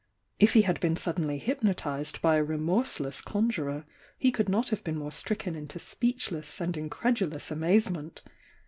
If he had been suddenly hypnotised by a remorseless conjurer, he could not have been more stricken into speechless and incredu lous amazement.